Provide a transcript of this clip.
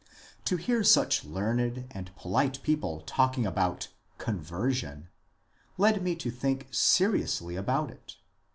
To hear such learned and polite people talking about ^^ conversion " led me to think seriously about it.